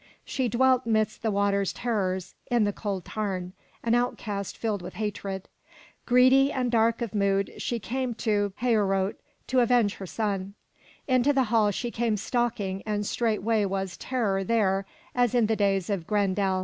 She dwelt midst the water's terrors, in the cold tarn, an outcast filled with hatred. Greedy and dark of mood, she came to Heorot to avenge her son. Into the hall she came stalking and straightway was terror there as in the days of Grendel.